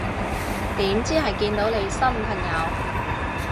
點知係見到你新朋友